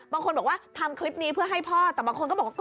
บางคนบอกว่าทำคลิปนี้เพื่อให้พ่อแต่บางคนก็บอกว่า